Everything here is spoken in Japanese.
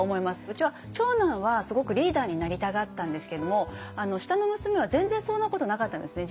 うちは長男はすごくリーダーになりたがったんですけども下の娘は全然そんなことなかったんですね。